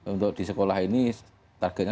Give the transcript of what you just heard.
untuk di sekolah ini targetnya